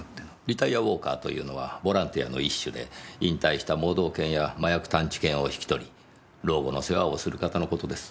リタイアウォーカーというのはボランティアの一種で引退した盲導犬や麻薬探知犬を引き取り老後の世話をする方の事です。